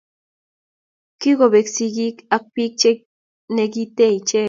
Kikobet sigik ak bik che negite ichek